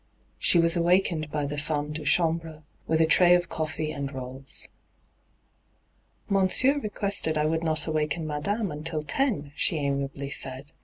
She was awakened by the femme de chambre with a tray of cofi'ee and rolls. ' Monsieur requested I would not awaken madame until ten,' she amiably said.